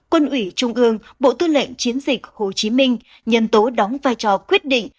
quân ủy trung ương bộ tư lệnh chiến dịch hồ chí minh nhân tố đóng vai trò quyết định